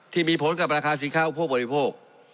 ที่มีผลกับราคาสินค้าอุปโภคบริโภค